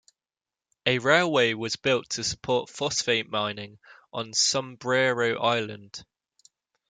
A railway was built to support phosphate mining on Sombrero Island.